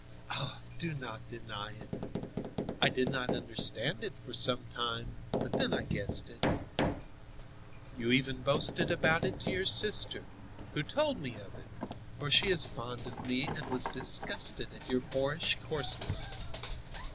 Oh, do not deny it. I did not understand it for some time, but then I guessed it. You even boasted about it to your sister, who told me of it, for she is fond of me and was disgusted at your boorish coarseness.